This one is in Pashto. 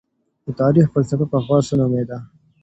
د تاريخ فلسفه پخوا څه نومېده؟